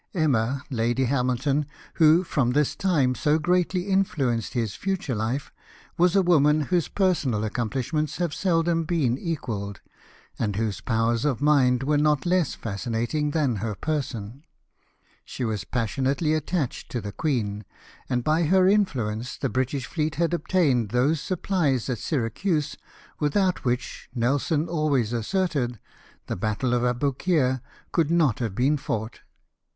Enuna Lady Hamilton, who from this time so greatl}^ influenced his future life, was a woman whose personal accomplishments have seldom been equalled, and whose powers of mind were not less fascinating than her person. She was passionately attached to the queen ; and by her influence the British fleet had obtained those supplies at Syracuse without which, Nelson always asserted, the battle of Aboukir could not have been fouofht.